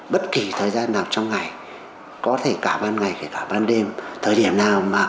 bất kỳ thời gian nào trong ngày có thể cả ban ngày cả ban đêm